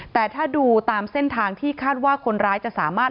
แต่ถ้าดูตามเส้นทางที่คาดว่าคนร้ายจะสามารถ